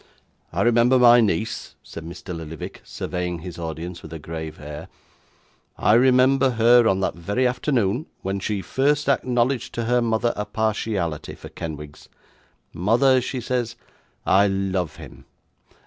'I remember my niece,' said Mr. Lillyvick, surveying his audience with a grave air; 'I remember her, on that very afternoon, when she first acknowledged to her mother a partiality for Kenwigs. "Mother," she says, "I love him."